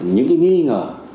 những cái nghi ngờ